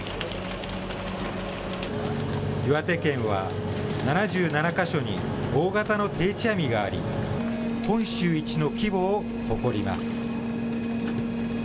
岩手県は７７か所に大型の定置網があり、本州一の規模を誇ります。